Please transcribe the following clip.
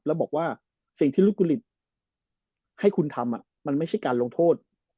แล้วบอกว่าสิ่งที่ลูกกุลิตให้คุณทำมันไม่ใช่การลงโทษ